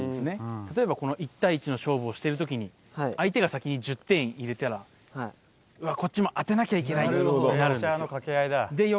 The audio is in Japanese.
例えばこの１対１の勝負をしているときに、相手が先に１０点入れたら、うわっ、こっちも当てなきゃいけないってなるんですよ。